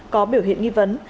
có biểu hiện nghi vấn